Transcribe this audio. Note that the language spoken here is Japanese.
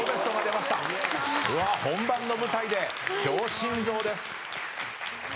本番の舞台で強心臓です。